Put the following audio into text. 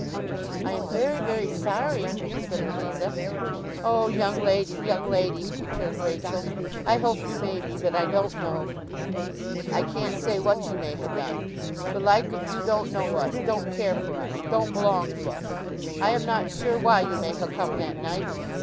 'I am very, very sorry,' said Louisa. 'Oh, young lady, young lady,' returned Rachael, 'I hope you may be, but I don't know! I can't say what you may ha' done! The like of you don't know us, don't care for us, don't belong to us. I am not sure why you may ha' come that night.